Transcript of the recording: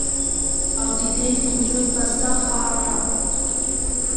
او د دې د وجود پسته خاوره